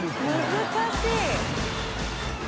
難しい。